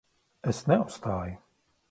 Es neuzstāju.